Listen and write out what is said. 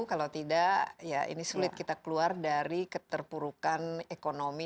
kalau tidak ya ini sulit kita keluar dari keterpurukan ekonomi